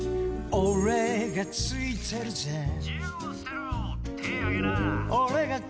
「おれがついてるぜ」